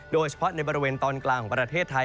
โดยเฉพาะในบริเวณตอนกลางของประเทศไทย